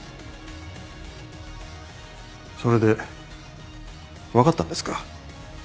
それで分かったんですか？